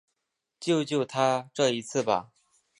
救救他这一次吧